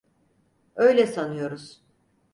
Öyle sanıyoruz.